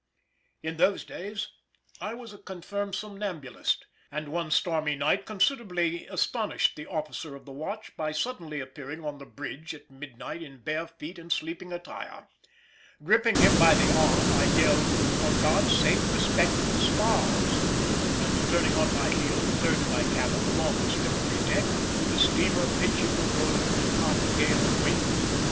In those days I was a confirmed somnambulist, and one stormy night considerably astonished the officer of the watch by suddenly appearing on the bridge at midnight in bare feet and sleeping attire. Gripping him by the arm I yelled, "For God's sake respect the spars," and turning on my heel returned to my cabin along the slippery deck, with the steamer pitching and rolling in half a gale of wind.